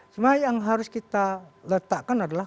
sebenarnya yang harus kita letakkan adalah